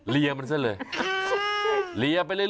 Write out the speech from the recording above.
ลียอไง